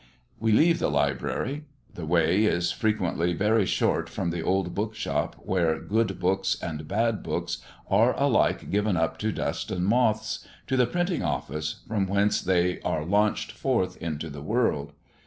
We leave the library. The way is frequently very short from the old bookshop where good books and bad books are alike given up to dust and moths, to the printing office, from whence they are launched forth into the world.